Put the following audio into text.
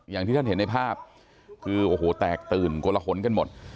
อย่างที่ท่านเห็นในภาพคือโอ้โหแตกตื่นโกลหนกันหมด